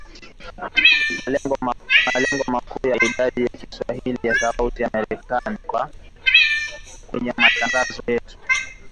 Malengo makuu ya Idhaa ya kiswahili ya Sauti ya Amerika kwa hivi sasa ni kuhakikisha tunaleta usawa wa kijinsia kwenye matangazo yetu